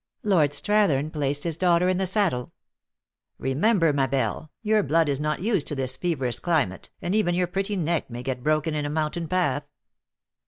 Lord Strathern placed his daughter in the saddle. " Remember, ma belle, your blood is not used to this feverous climate, and even your pretty neck may get broken in a mountain path.